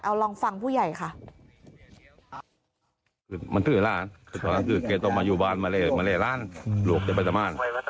เอาลองฟังผู้ใหญ่ค่ะ